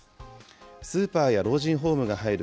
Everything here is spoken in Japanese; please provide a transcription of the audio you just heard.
スーパーや老人ホームが入る